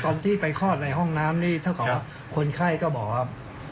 ตอนที่ไปคลอดในห้องน้ำนี่เท่ากับว่าคนไข้ก็บอกว่า